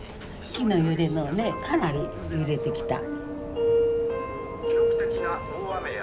木の揺れもねかなり揺れてきた。